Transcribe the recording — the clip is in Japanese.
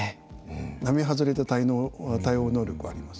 並外れた対応能力はあります。